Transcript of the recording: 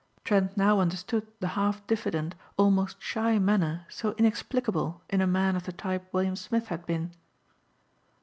Trent now understood the half diffident, almost shy manner so inexplicable in a man of the type William Smith had been.